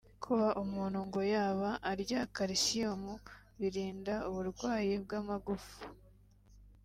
Kuba umuntu ngo yaba arya Calcium birinda uburwayi bw’amagufa